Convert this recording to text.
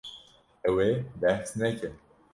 Ew ê behs neke.